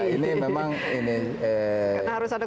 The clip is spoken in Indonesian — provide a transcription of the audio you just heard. tugas mempertahankan kedaulatan